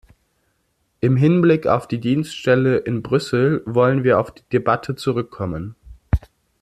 Im Hinblick auf die Dienststelle in Brüssel wollen wir auf die Debatte zurückkommen.